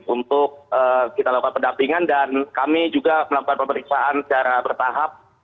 untuk kita lakukan pendampingan dan kami juga melakukan pemeriksaan secara bertahap